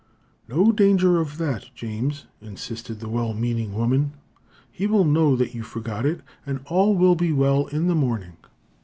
"No danger of that, James," insisted the well meaning woman. "He will know that you forgot it, and all will be well in the morning."